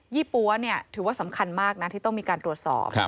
ี่ปั๊วถือว่าสำคัญมากนะที่ต้องมีการตรวจสอบ